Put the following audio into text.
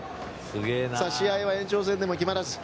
試合は延長戦でも決まらず。